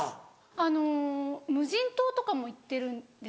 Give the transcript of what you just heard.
あの無人島とかも行ってるんですけど。